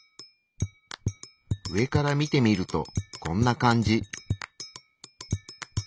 上から見てみるとこんな感じ。